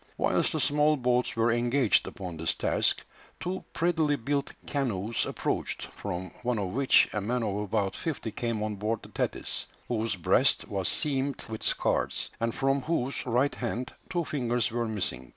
Whilst the small boats were engaged upon this task, two prettily built canoes approached, from one of which a man of about fifty came on board the Thetis, whose breast was seamed with scars, and from whose right hand two fingers were missing.